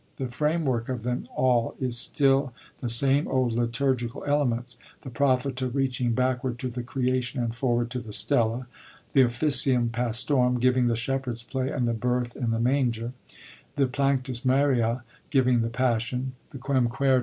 The frame work of them all is still the same old liturgical elements — the ProphetcBy reaching backward to the Creation and forward to the SteUa; the Offidum PasUynjum^ giving the Shepherds* Play and the Birth in the manger ; the PlanctiLS Marice, giving the Passion ; the Quern qucBritia^ ^ Chambers, ii.